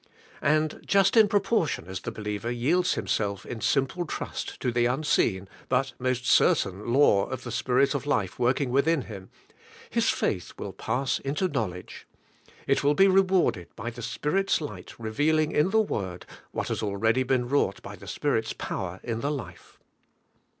And just in proportion as the believer yields himself in simple trust to the unseen, but most certain law 132 ABIDE IN CHRIST: of the Spirit of life working within him, his faith will pass into knowledge. It will be rewarded by the Spirit's light revealing in the Word what has already been wrought by the Spirit's power in the life.